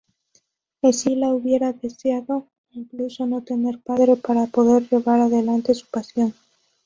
Escila hubiera deseado incluso no tener padre para poder llevar adelante su pasión.